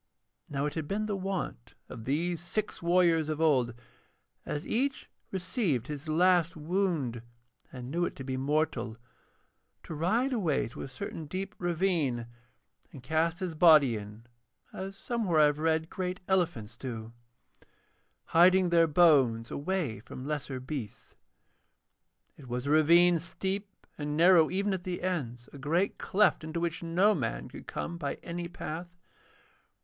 Now it had been the wont of these six warriors of old, as each received his last wound and knew it to be mortal, to ride away to a certain deep ravine and cast his body in, as somewhere I have read great elephants do, hiding their bones away from lesser beasts. It was a ravine steep and narrow even at the ends, a great cleft into which no man could come by any path.